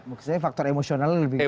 maksudnya faktor emosional lebih besar